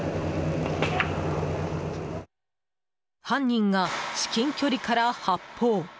犯人が至近距離から発砲。